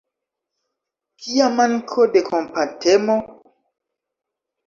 Kia manko de kompatemo!